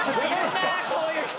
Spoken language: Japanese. こういう人。